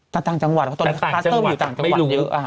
แต่ต่างจังหวัดเพราะตอนนี้คลาสเตอร์มันอยู่ต่างจังหวัดเยอะ